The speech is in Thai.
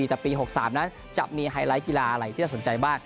แต่ปี๖๓นั้นจะมีไฮไลท์กีฬาอะไรที่น่าสนใจบ้าง